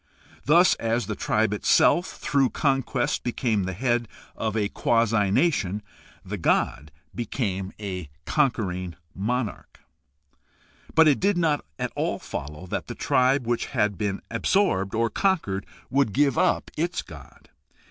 Thus, as the tribe itself through conquest became the head of a quasi nation, the god became a conquering monarch. But it did not at all follow that the tribe which had been absorbed or conquered would give up its god.